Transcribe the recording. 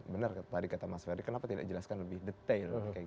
benar tadi kata mas ferry kenapa tidak dijelaskan lebih detail